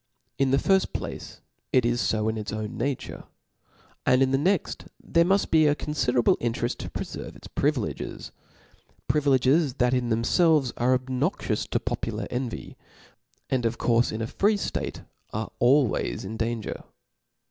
In the firft place it is fo in its own nature ; and in the next there muft be a conGderable intereft to ■preferve its privileges •, privileges that in them felves are obnoxious to popular eiyvy, and of courfe in a free ftate are always in danger.